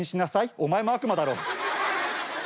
お前も悪魔だろ。